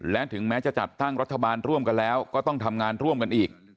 และถึงแม้จะจัดตั้งรัฐบาลร่วมกันแล้วก็ต้องทำงานร่วมกันอีก